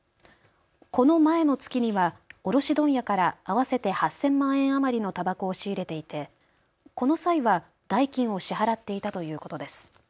この前の月には卸問屋から合わせて８０００万円余りのたばこを仕入れていてこの際は代金を支払っていたということです。